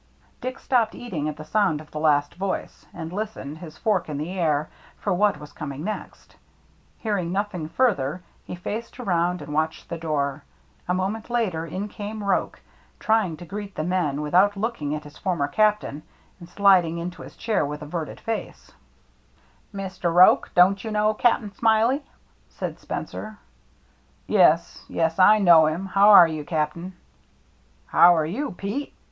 Dick stopped eating at the sound of the last voice, and listened, his fork in the air, for what was coming next. Hearing nothing further, he faced around and watched the door. A moment later in came Roche, trying to greet the men without looking at his former captain, and slid ing into his chair with averted face. io6 THE MERRT ANNE (( Mr. Roche, don't you know Cap*n Smiley ?" said Spencer. "Yes, yes, I know him. How are you, Cap'n?" " How are you, Pete